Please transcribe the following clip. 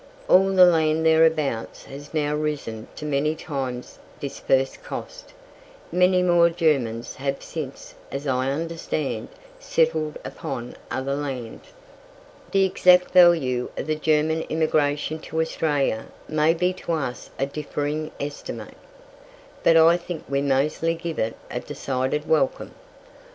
All the land thereabout has now risen to many times this first cost. Many more Germans have since, as I understand, settled upon other land. The exact value of the German immigration to Australia may be to us a differing estimate, but I think we mostly give it a decided welcome.